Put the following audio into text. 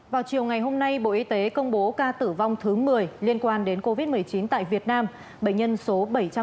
vào chiều ngày hôm nay bộ y tế công bố ca tử vong thứ một mươi liên quan đến covid một mươi chín tại việt nam bệnh nhân số bảy trăm bốn mươi